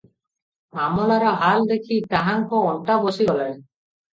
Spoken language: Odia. ମାମଲାର ହାଲ ଦେଖି ତାହାଙ୍କ ଅଣ୍ଟା ବସିଗଲାଣି ।